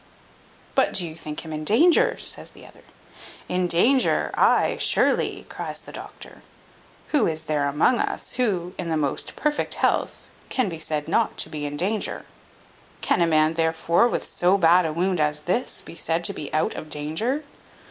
"But do you think him in danger?" says the other. "In danger! ay, surely," cries the doctor: "who is there among us, who, in the most perfect health, can be said not to be in danger? Can a man, therefore, with so bad a wound as this be said to be out of danger?